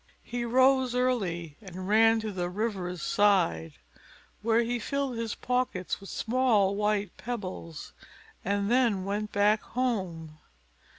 He rose early, and ran to the river's side, where he filled his pockets with small white pebbles, and then went back home.